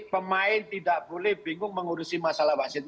pemain tidak boleh bingung mengurusi masalah wasit